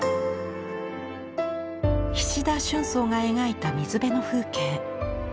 菱田春草が描いた水辺の風景。